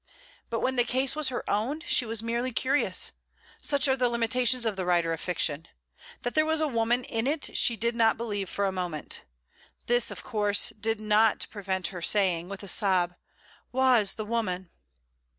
But when the case was her own she was merely curious; such are the limitations of the writer of fiction. That there was a woman in it she did not believe for a moment. This, of course, did not prevent her saying, with a sob, "Wha is the woman?"